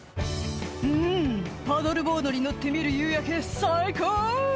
「んパドルボードに乗って見る夕焼け最高！」